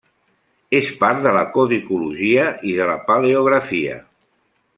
És part de la codicologia i de la paleografia.